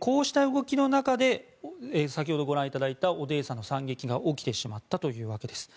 こうした動きの中で先ほどご覧いただきましたオデーサの惨劇が起きてしまったというわけです。